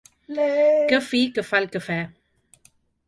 Que fi que fa el cafè.